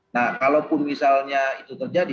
nah kalaupun misalnya itu terjadi